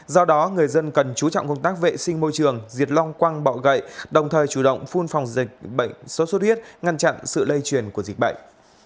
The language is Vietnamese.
do đó người dân cần chú trọng công tác vệ sinh môi trường diệt long quăng bọ gậy đồng thời chủ động phun phòng dịch bệnh sốt xuất huyết ngăn chặn sự lây truyền của dịch bệnh